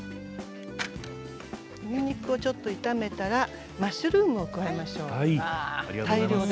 にんにくをちょっと炒めたらマッシュルームを加えましょう。